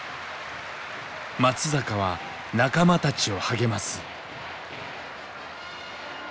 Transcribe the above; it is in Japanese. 松坂は仲間たちを励ます。